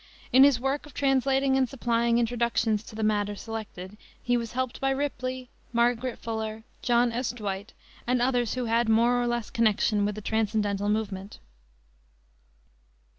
In his work of translating and supplying introductions to the matter selected he was helped by Ripley, Margaret Fuller, John S. Dwight and others who had more or less connection with the transcendental movement.